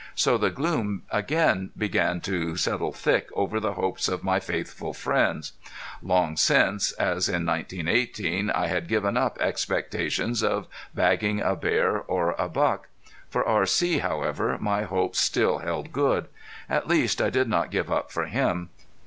So the gloom again began to settle thick over the hopes of my faithful friends. Long since, as in 1918, I had given up expectations of bagging a bear or a buck. For R.C., however, my hopes still held good. At least I did not give up for him.